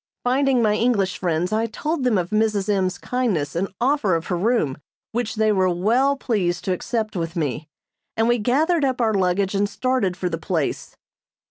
Finding my English friends I told them of Mrs. M.'s kindness and offer of her room, which they were well pleased to accept with me, and we gathered up our luggage and started for the place.